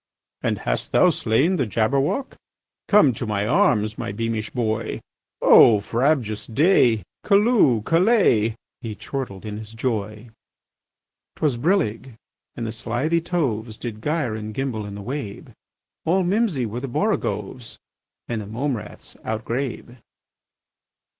"And hast thou slain the Jabberwock? Come to my arms, my beamish boy! O frabjous day! Callooh! Callay!" He chortled in his joy. 'Twas brillig, and the slithy toves Did gyre and gimble in the wabe: All mimsy were the borogoves, And the mome raths outgrabe.